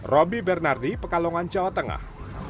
roby bernardi pekalongan jawa tengah